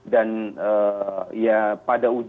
dan ya pada ujungnya